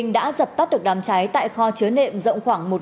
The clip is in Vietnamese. đã dập tắt được đám cháy tại kho chứa nệm rộng khoảng một hai trăm linh m hai